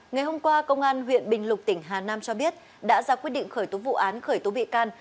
ngày hôm qua công an huyện bình lục tỉnh hà nam cho biết đã ra quyết định khởi tố vụ án khởi tố bị can